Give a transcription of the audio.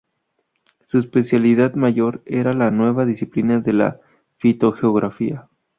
Su especialidad mayor era la nueva disciplina de la Fitogeografía.